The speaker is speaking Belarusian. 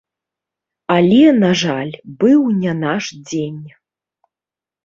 Але, на жаль, быў не наш дзень.